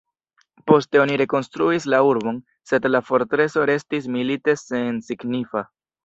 Poste oni rekonstruis la urbon, sed la fortreso restis milite sensignifa.